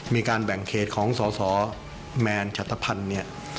มีการแบ่งเขตของสสแมนชัตภัณฑ์เนี่ย